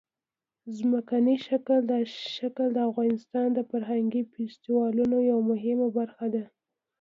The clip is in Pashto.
ځمکنی شکل د افغانستان د فرهنګي فستیوالونو یوه مهمه برخه ده.